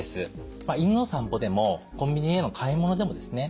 犬の散歩でもコンビニへの買い物でもですね